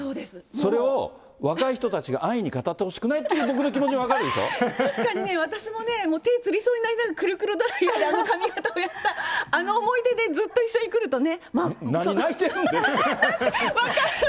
それを若い人たちが安易に語ってほしくないという私の気持ち確かにね、私も手、つりそうになりながらくるくるドライヤーやった、あの思い出でずっと一緒にくるとね。